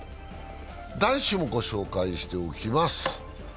男子もご紹介しておきます。